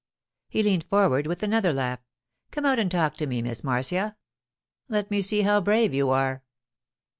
He leaned forward with another laugh. 'Come out and talk to me, Miss Marcia. Let me see how brave you are.